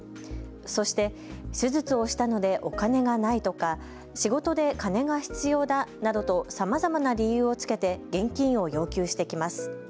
そして、手術をしたのでお金がないとか仕事で金が必要だなどとさまざまな理由をつけて現金を要求してきます。